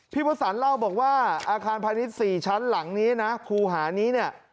พระสันเล่าบอกว่าอาคารพาณิชย์๔ชั้นหลังนี้นะครูหานี้เนี่ย